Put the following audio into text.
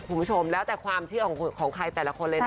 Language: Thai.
คุณผู้ชมแล้วแต่ความเชื่อของใครแต่ละคนเลยนะ